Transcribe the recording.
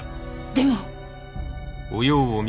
でも。